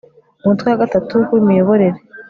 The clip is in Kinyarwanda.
umutwe wa gatatu w imiyoborere